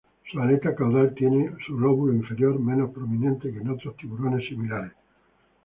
Su aleta caudal tiene su lóbulo inferior menos prominente que en otros tiburones similares.